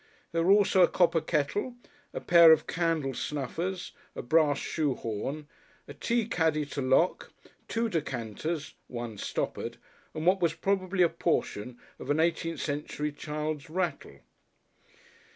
There were also a copper kettle, a pair of candle snuffers, a brass shoehorn, a tea caddy to lock, two decanters (one stoppered) and what was probably a portion of an eighteenth century child's rattle.